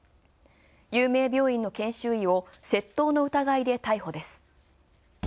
有名病院の研修医を窃盗の疑いで逮捕です。